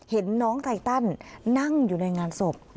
เห็นน้องไตตันนั่งอยู่ในงานศพ